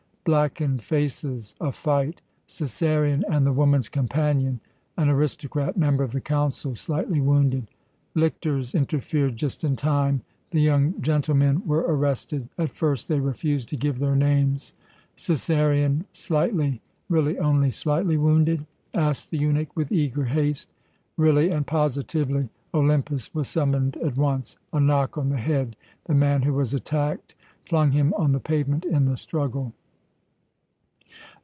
Blackened faces. A fight. Cæsarion and the woman's companion an aristocrat, member of the Council slightly wounded. Lictors interfered just in time. The young gentlemen were arrested. At first they refused to give their names " "Cæsarion slightly, really only slightly wounded?" asked the eunuch with eager haste. "Really and positively. Olympus was summoned at once. A knock on the head. The man who was attacked flung him on the pavement in the struggle."